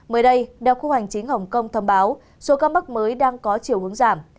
mới đây đảng quốc hành chính hồng kông thông báo số ca mắc mới đang có chiều hướng giảm